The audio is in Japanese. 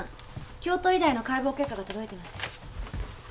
京都医大の解剖結果が届いてます。